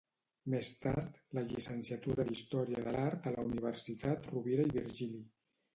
Més tard, la llicenciatura d’Història de l’Art a la Universitat Rovira i Virgili.